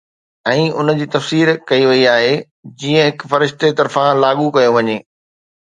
۽ ان جي تفسير ڪئي وئي آهي جيئن هڪ فرشتي طرفان لاڳو ڪيو وڃي